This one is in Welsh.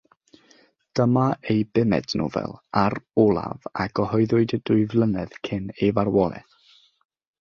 Dyma ei bumed nofel a'r olaf, a gyhoeddwyd dwy flynedd cyn ei farwolaeth.